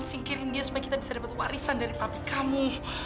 singkirin dia supaya kita bisa dapat warisan dari pabrik kamu